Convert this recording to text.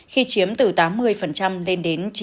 khi chiếm từ tám mươi lên đến ba năm